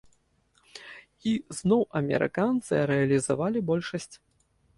І зноў амерыканцы рэалізавалі большасць.